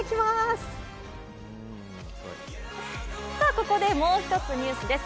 ここでもう一つニュースです。